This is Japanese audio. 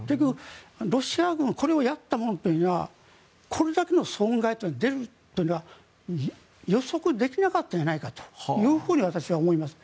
ロシア軍これをやったものというのはこれだけの損害というのが出るというのは予測できなかったんじゃないかと私は思います。